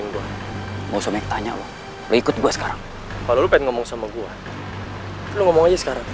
bu juga ikut sama lo